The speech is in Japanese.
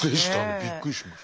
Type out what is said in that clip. びっくりしました。